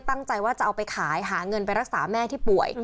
ตั้งใจว่าจะเอาไปขายหาเงินไปรักษาแม่ที่ป่วย